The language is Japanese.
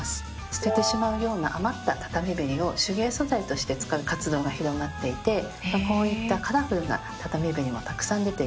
捨ててしまうような余った畳べりを手芸素材として使う活動が広まっていてこういったカラフルな畳べりもたくさん出ています。